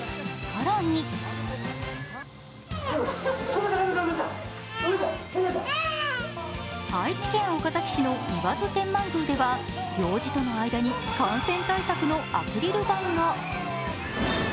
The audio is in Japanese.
更に愛知県岡崎市の岩津天満宮では行司との間に感染対策のアクリル板が。